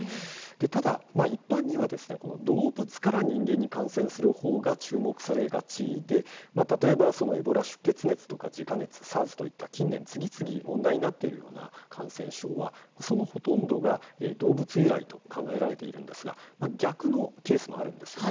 ただ一般には、動物から人間に感染する方が注目されがちで例えばエボラ出血熱とかジカ熱、ＳＡＲＳといった近年、次々問題になっているような感染症はそのほとんどが動物由来と考えられているんですが逆のケースもあるんですよね。